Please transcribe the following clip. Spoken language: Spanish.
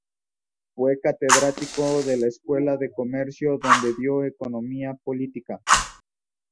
Fue catedrático de la Escuela de Comercio, donde dio Economía Política.